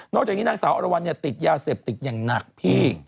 จากนี้นางสาวอรวรรณติดยาเสพติดอย่างหนักพี่